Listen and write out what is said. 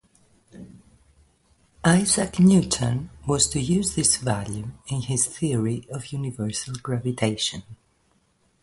Isaac Newton was to use this value in his theory of universal gravitation.